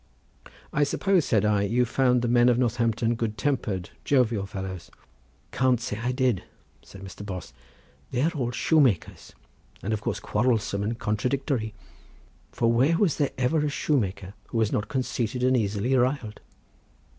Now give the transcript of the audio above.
"I suppose," said I, "you found the men of Northampton good tempered, jovial fellows?" "Can't say I did," said Mr. Bos; "they are all shoemakers, and of course quarrelsome and contradictory, for where was there ever a shoemaker who was not conceited and easily riled?